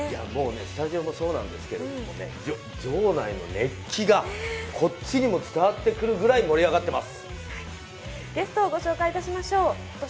スタジオもそうなんですけど場内の熱気がこっちにも伝わってくるぐらい盛り上がっています。